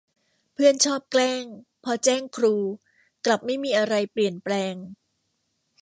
เพื่อนชอบแกล้งพอแจ้งครู กลับไม่มีอะไรเปลี่ยนแปลง